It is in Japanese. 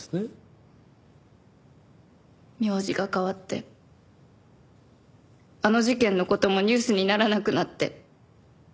名字が変わってあの事件の事もニュースにならなくなって。